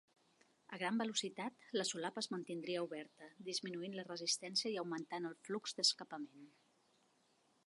A gran velocitat, la solapa es mantindria oberta, disminuint la resistència i augmentant el flux d'escapament.